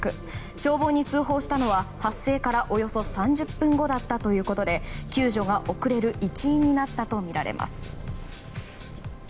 消防に通報したのは発生からおよそ３０分後だったということで救助が遅れる一因になったとみられます。